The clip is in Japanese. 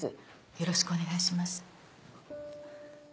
よろしくお願いします。